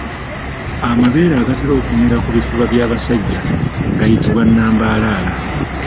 Amabeere agatera okumera ku bifuba by’abasajja gayitibwa nambaalaala.